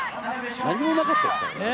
何もなかったですからね。